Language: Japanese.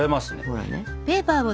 ほらね。